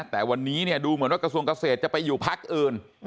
แต่วันนี้ดูเหมือนว่ากระทรวงเกษตรจะไปอยู่พักอื่น